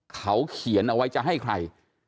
เขาเขียนเอาไว้จะให้ใคร